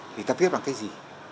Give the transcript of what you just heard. thì ta viết bằng cái gì